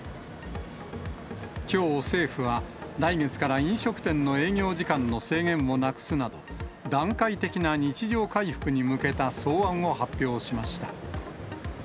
きょう政府は、来月から飲食店の営業時間の制限をなくすなど、段階的な日常回復に向けた草案を発表しました。